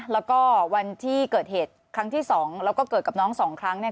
แล้วก็วันที่เกิดเหตุครั้งที่สองแล้วก็เกิดกับน้องสองครั้งเนี่ย